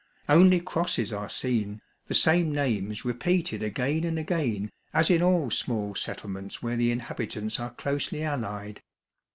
Only crosses are seen, the same names repeated again and again as in all small settlements where the inhabitants are closel}^ allied.